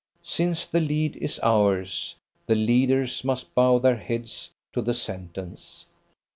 Since the lead is ours, the leaders must bow their heads to the sentence.